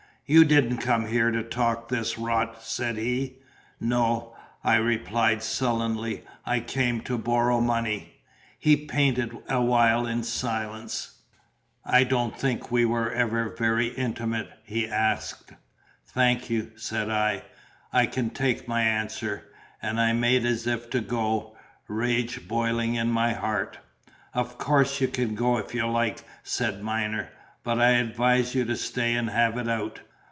"You didn't come here to talk this rot," said he. "No," I replied sullenly; "I came to borrow money." He painted awhile in silence. "I don't think we were ever very intimate?" he asked. "Thank you," said I. "I can take my answer," and I made as if to go, rage boiling in my heart. "Of course you can go if you like," said Myner; "but I advise you to stay and have it out."